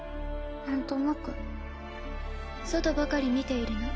なんとなく外ばかり見ているな。